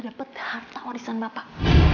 dapat harta warisan bapak